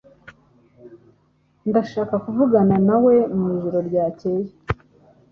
Ndashaka kuvugana nawe mwijoro ryakeye.